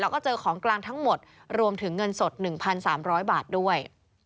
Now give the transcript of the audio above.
แล้วก็เจอของกลางทั้งหมดรวมถึงเงินสด๑๓๐๐บาทด้วย